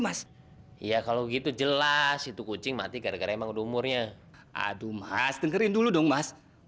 mas ya kalau gitu jelas itu kucing mati gara gara emang udah umurnya aduh mas dengerin dulu dong mas